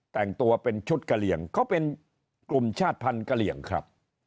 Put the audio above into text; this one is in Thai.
แต่งตัวเป็นชุดกะเหลี่ยงเขาเป็นกลุ่มชาติภัณฑ์กะเหลี่ยงครับ